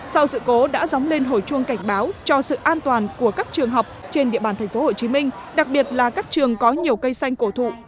sau sự cố đã dóng lên hồi chuông cảnh báo cho sự an toàn của các trường học trên địa bàn tp hcm đặc biệt là các trường có nhiều cây xanh cổ thụ